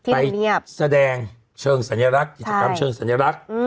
ไปแสดงเชิงสัญลักษณ์กิจกรรมเชิงสัญลักษณ์